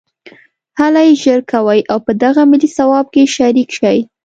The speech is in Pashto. هلئ ژر کوئ او په دغه ملي ثواب کې شریک شئ